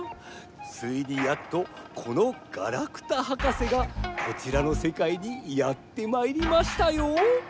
ついにやっとこのガラクタ博士がこちらのせかいにやってまいりましたよ！